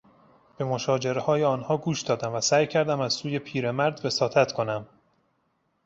به مشاجرههای آنها گوش دادم و سعی کردم از سوی پیرمرد وساطت کنم.